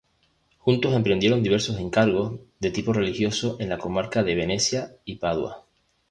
Juntos emprendieron diversos encargos de tipo religioso en la comarca de Venecia y Padua.